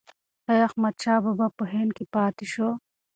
ایا احمدشاه بابا په هند کې پاتې شو؟